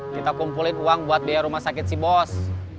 kita kumpulin uang buat biaya rumah sakit si bos